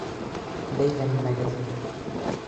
Бәйләнмәгеҙ!